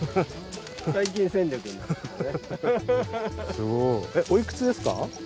すごい。おいくつですか？